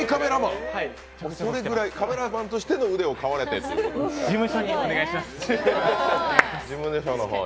カメラマンとしての腕を買われてという事務所にお願いします。